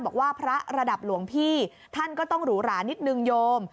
บอกว่าพระระดับหลวงพี่ท่านก็ต้องหรูหรานิดนึงโยม